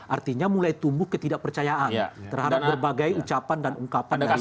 artinya mulai tumbuh ketidakpercayaan terhadap berbagai ucapan dan ungkapan dari pak s b